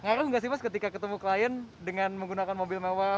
ngaruh nggak sih mas ketika ketemu klien dengan menggunakan mobil mewah